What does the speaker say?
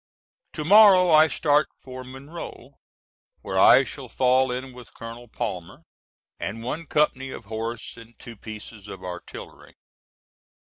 To morrow I start for Monroe, where I shall fall in with Colonel Palmer and one company of horse and two pieces of artillery.